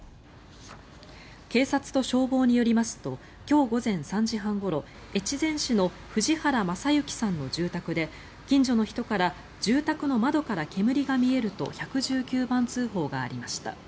警察と消防によりますと今日午前３時半ごろ越前市の藤原正幸さんの住宅で近所の人から住宅の窓から煙が見えると１１９番通報がありました。